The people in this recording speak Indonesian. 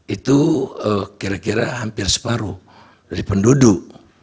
itu kira kira hampir separuh dari penduduk